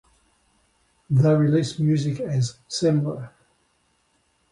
They release music as Semler.